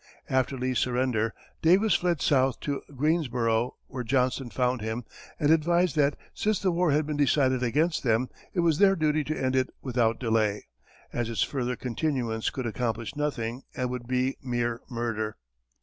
After Lee's surrender, Davis fled south to Greensboro, where Johnston found him and advised that, since the war had been decided against them, it was their duty to end it without delay, as its further continuance could accomplish nothing and would be mere murder.